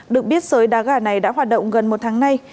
được biết sới đá gà này đã hoạt động gần một tháng nay